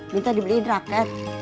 minta dibeliin raket